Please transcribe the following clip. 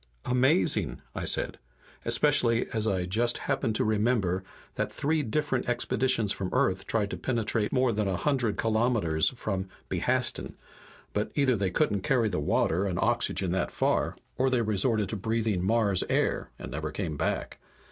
"Amazing!" I said. "Especially as I just happen to remember that three different expeditions from Earth tried to penetrate more than a hundred kilometers from Behastin, but either they couldn't carry the water and oxygen that far, or they resorted to breathing Mars air, and never came back.